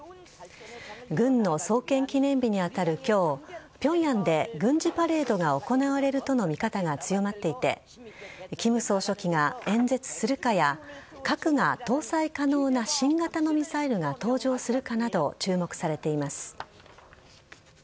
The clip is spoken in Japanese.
軍の創建記念日に当たる今日平壌で軍事パレードが行われるとの見方が強まっていて金総書記が演説するかや核が搭載可能な新型のミサイルが登場するかなど注目されています。